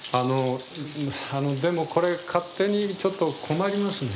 あのでもこれ勝手にちょっと困りますね。